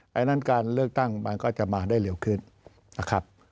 การเงินเลือกตั้งมันก็จะมาได้เร็วขึ้นนะครับ